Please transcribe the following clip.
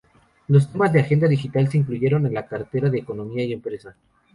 Los temas de Agenda Digital se incluyeron en la cartera de Economía y Empresa.